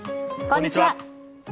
こんにちは。